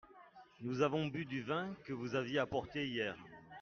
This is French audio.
Nous avons bu du vin que vous aviez apporté hier.